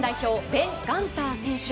ベン・ガンター選手。